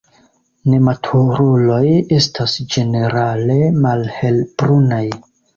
Nematuruloj estas ĝenerale malhelbrunaj.